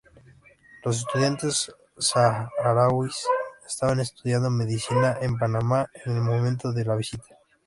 Los estudiantes saharauis estaban estudiando medicina en Panamá en el momento de la visita.